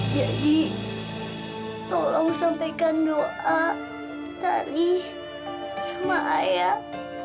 jadi tolong sampaikan doa tari sama ayah